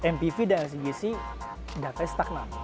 mpv dan lcgc datanya stagnan